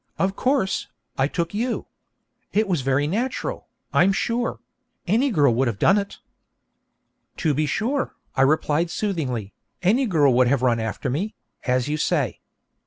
Of course, I took you. It was very natural, I'm sure; any girl would have done it.' 'To be sure,' I replied soothingly, 'any girl would have run after me, as you say.'